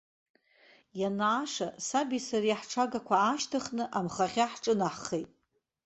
Ианааша, саби сареи ҳҽагақәа аашьҭыхны амхахьы ҳҿынаҳхеит.